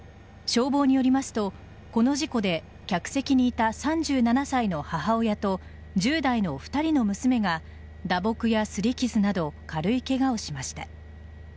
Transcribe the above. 消防によりますとこの事故で客席にいた３７歳の母親と１０代の２人の娘が打撲や擦り傷など軽いケガをしました。